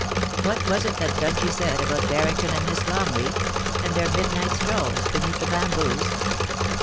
... What was it that Dungie said about Barrington and Miss Longleat, and their midnight strolls beneath the bamboos